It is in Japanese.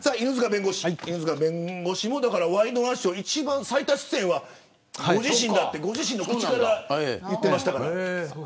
犬塚弁護士もワイドナショー最多出演はご自身だとご自身の口から言っていました。